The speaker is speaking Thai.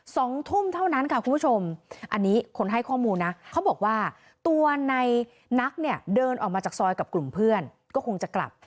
สองทุ่มเท่านั้นค่ะคุณผู้ชมอันนี้คนให้ข้อมูลนะเขาบอกว่าตัวในนักเนี่ยเดินออกมาจากซอยกับกลุ่มเพื่อนก็คงจะกลับ